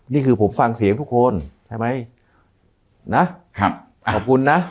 นี่คือผมฟังเสียงทุกคนใช่ไหมนะครับขอบคุณนะ